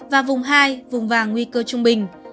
và vùng hai vùng vàng nguy cơ trung bình